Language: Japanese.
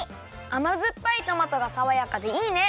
あまずっぱいトマトがさわやかでいいね！